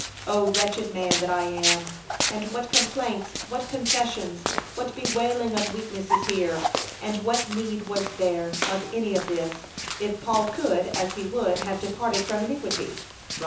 '0 wretched man that I am,' &c. What complaints, what confessions, what bewailing of weakness is here? And what need was there of any of this, if Paul could, as he would, have departed from iniquity? (Rom.